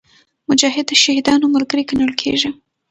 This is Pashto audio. مجاهد د شهیدانو ملګری ګڼل کېږي.